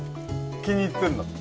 気に入ってるの？